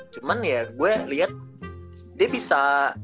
cuman ya gue liat dia bisa